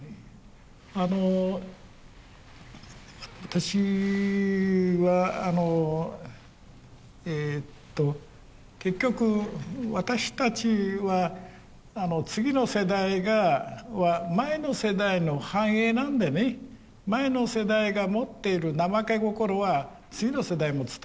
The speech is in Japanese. あの私はあのえと結局私たちは次の世代は前の世代の反映なんでね前の世代が持っている怠け心は次の世代も伝わる。